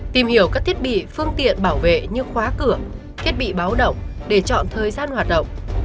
tìm hiểu các thiết bị phương tiện bảo vệ như khóa cửa thiết bị báo động để chọn thời gian hoạt động